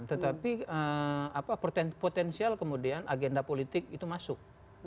tetapi potensial kemudian agenda politik itu masuk